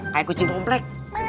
kayak kucing pomplek